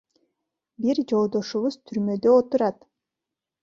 Бир жолдошубуз түрмөдө отурат.